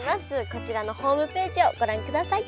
こちらのホームページをご覧ください。